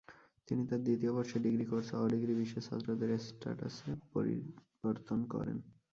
তিনি তার দ্বিতীয়বর্ষে degree course "অ-ডিগ্রী বিশেষ ছাত্রের স্ট্যাটাসে" পরিবর্তন করেন।